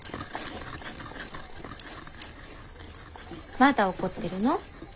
まだ怒ってるの？